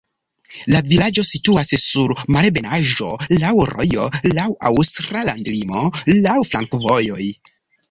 La vilaĝo situas sur malebenaĵo, laŭ rojo, laŭ la aŭstra landolimo, laŭ flankovojoj.